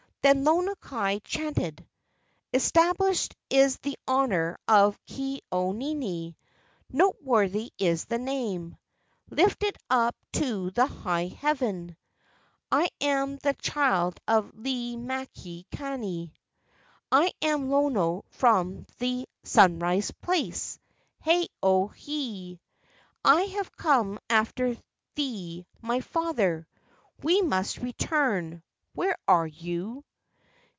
Then Lono kai chanted: " Established is the honor of Ke au nini (Noteworthy is the name), Lifted up to the high heaven; I am the child of Lei makani, I am Lono from the sunrise place, Hae o hae: I have come after thee, my father; We must return. Where are you?